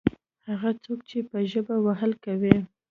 هغه څوک چې په ژبه وهل کوي.